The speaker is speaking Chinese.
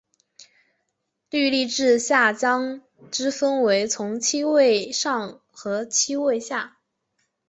律令制下将之分为从七位上和从七位下。